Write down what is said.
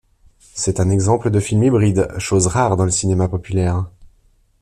C'est un exemple de film hybride, chose rare dans le cinéma populaire.